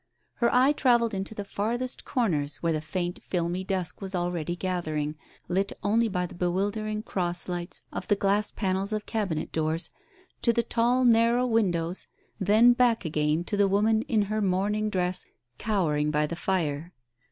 Her eye travelled into the farthest corners, where the faint filmy dusk was already gathering, lit only by the bewildering cross lights of the glass panels of cabinet doors — to the tall narrow windows — then back again to the woman in her mourning dress, cowering by the fire.